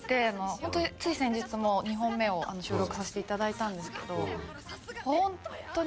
ホントつい先日も２本目を収録させていただいたんですがホントに。